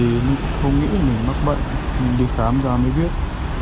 mình cũng không nghĩ mình mắc bệnh mình đi khám ra mới viết